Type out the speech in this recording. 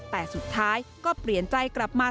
แต่สุดท้ายก็เปลี่ยนใจกลับมา